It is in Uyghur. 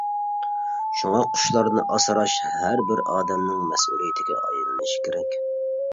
شۇڭا، قۇشلارنى ئاسراش ھەر بىر ئادەمنىڭ مەسئۇلىيىتىگە ئايلىنىشى كېرەك.